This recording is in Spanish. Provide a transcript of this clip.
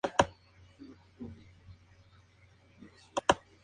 Su patrona es Santa María, al que está dedicado su iglesia.